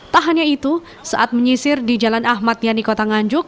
tak hanya itu saat menyisir di jalan ahmad yani kota nganjuk